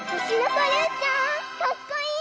かっこいい！